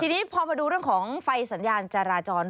ทีนี้พอมาดูเรื่องของไฟสัญญาณจราจร